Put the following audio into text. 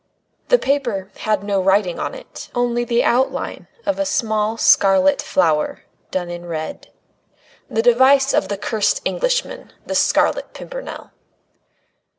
The paper had no writing on it, only the outline of a small scarlet flower done in red the device of the cursed Englishman, the Scarlet Pimpernel.